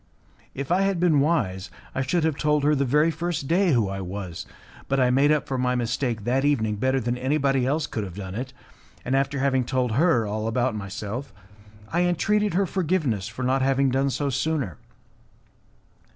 If I had been wise, I should have told her the very first day who I was, but I made up for my mistake that evening better than anybody else could have done it, and, after having told her all about myself, I entreated her forgiveness for not having done so sooner.